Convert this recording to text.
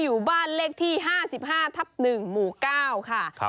อยู่บ้านเลขที่๕๕ทับ๑หมู่๙ค่ะ